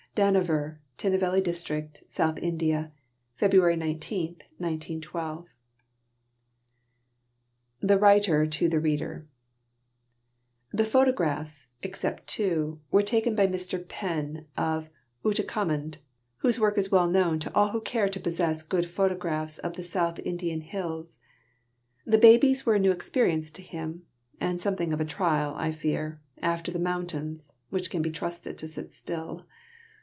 _ Dohnavur, Tinnevelly District S. India. Feb. 19, 1912. THE WRITER TO THE READER THE photographs (except two) were taken by Mr. Penn, of Ootacamund, whose work is known to all who care to possess good photographs of the South Indian hills. The babies were a new experience to him, and something of a trial, I fear, after the mountains, which can be trusted to sit still.